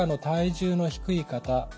体重の低い方